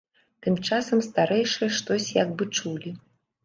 Тым часам старэйшыя штось як бы чулі.